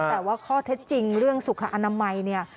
แต่ว่าข้อเท็จจริงเรื่องสุขอนามัยเนี่ย